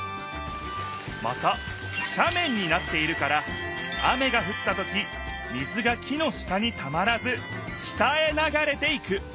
またしゃめんになっているから雨がふったとき水が木の下にたまらず下へながれていく。